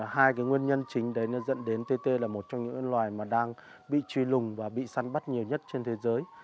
hai cái nguyên nhân chính đấy nó dẫn đến tt là một trong những loài mà đang bị truy lùng và bị săn bắt nhiều nhất trên thế giới